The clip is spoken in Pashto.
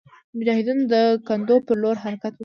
مجاهدینو د کنډو پر لور حرکت وکړ.